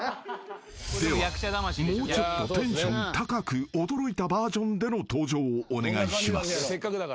［ではもうちょっとテンション高く驚いたバージョンでの登場をお願いします］